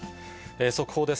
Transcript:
速報です。